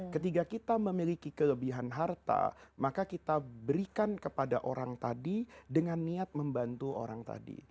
ketika kita memiliki kelebihan harta maka kita berikan kepada orang tadi dengan niat membantu orang tadi